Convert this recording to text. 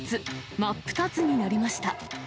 真っ二つになりました。